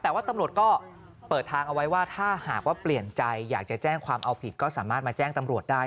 แต่ว่าตำรวจก็เปิดทางเอาไว้ว่าถ้าหากว่าเปลี่ยนใจอยากจะแจ้งความเอาผิดก็สามารถมาแจ้งตำรวจได้